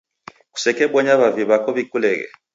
kusekebonya w'avi w'ako w'ikuleghe.